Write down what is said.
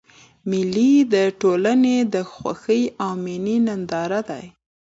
مېلې د ټولني د خوښۍ او میني ننداره ده.